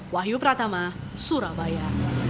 wahyu pratama surabaya